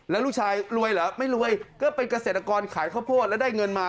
แล้วลูกชายรวยเหรอไม่รวยก็เป็นเกษตรกรขายข้าวโพดแล้วได้เงินมา